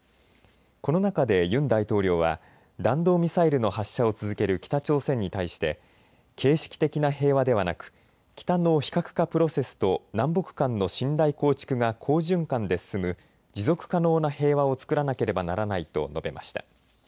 この中でユン大統領は弾道ミサイルの発射を続ける北朝鮮に対して形式的な平和ではなく北の非核化プロセスと南北間の信頼構築が好循環で進む持続可能な平和を作らなければならないと述べました。